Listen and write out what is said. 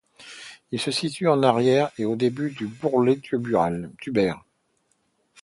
Il se situe en arrière et au dessus du bourrelet tubaire.